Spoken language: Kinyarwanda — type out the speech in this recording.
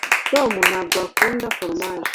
tom ntabwo akunda foromaje